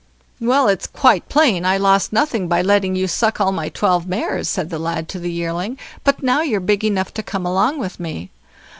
"Well, it's quite plain I lost nothing by letting you suck all my twelve mares", said the lad to the yearling, "but now you're big enough to come along with me."